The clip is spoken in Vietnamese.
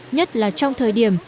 nhất là trong thời điểm